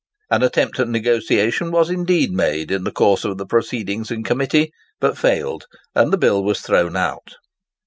An attempt at negotiation was indeed made in the course of the proceedings in committee, but failed, and the bill was thrown out.